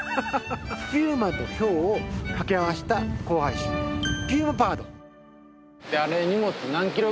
ピューマとヒョウを掛け合わせた交配種ピューマパード。